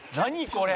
これ」